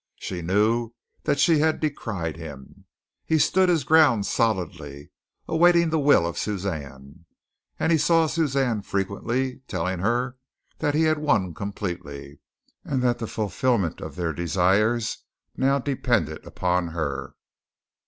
She knew that she had decried him. He stood his ground solidly, awaiting the will of Suzanne, and he saw Suzanne frequently, telling her that he had won completely, and that the fulfilment of their desires now depended upon her.